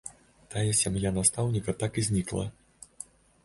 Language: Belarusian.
Тая сям'я настаўніка так і знікла.